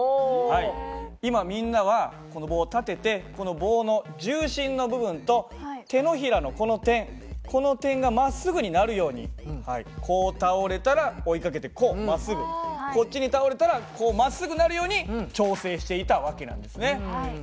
今みんなはこの棒を立ててこの棒の重心の部分と手のひらのこの点この点がまっすぐになるようにこう倒れたら追いかけてこうまっすぐこっちに倒れたらこうまっすぐなるように調整していた訳なんですね。